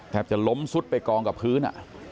แทบจะล้มซุดไปกองกับพื้น